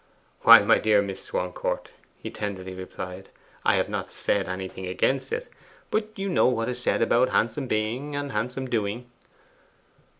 'Why, my dear Miss Swancourt,' he tenderly replied, 'I have not said anything against it. But you know what is said about handsome being and handsome doing.